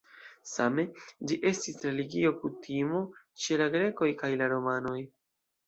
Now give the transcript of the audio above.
Same, ĝi estis religio kutimo ĉe la grekoj kaj la romanoj.